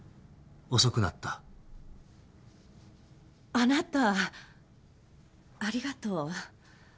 あなたありがとう。